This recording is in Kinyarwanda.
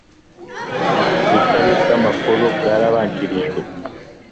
ubusabe bw amakuru bwarabanjirijwe